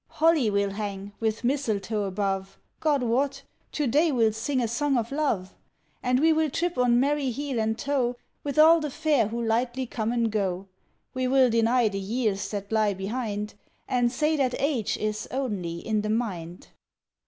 Holly we'll hang, with mistletoe above! God wot! to day we'll sing a song of love! And we will trip on merry heel and toe With all the fair who lightly come and go; We will deny the years that lie behind And say that age is only in the mind.